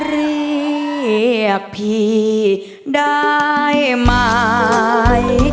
เรียกพี่ได้มั้ย